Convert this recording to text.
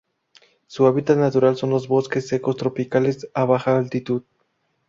Su hábitat natural son los bosques secos tropicales a baja altitud.